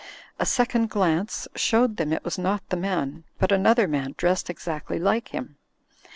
A second glance showed them it was not the man, but another man dressed exactly like him.